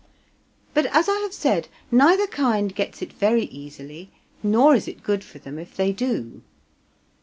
But, as I have said, neither kind gets it very easily, nor is it good for them if they do.